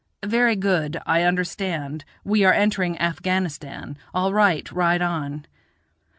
(Very good, I understand, we are entering Afghanistan; all right, ride on.)